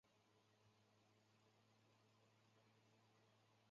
博物馆展示了巧克力的历史。